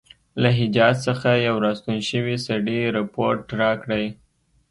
له حجاز څخه یو را ستون شوي سړي رپوټ راکړی.